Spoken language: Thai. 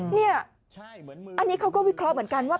เนี่ยอันนี้เขาก็วิเคราะห์เหมือนกันว่า